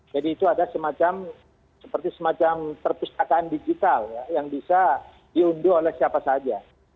jadi itu ada semacam seperti semacam perpustakaan digital yang bisa diunduh oleh siapa saja